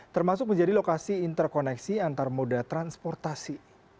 termasuk menjadi lokasi interkoneksi antar moda transportasi